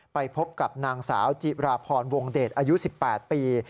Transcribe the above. ไปพบกับนางสาวจิราพรวงเดชอายุ๑๘ปี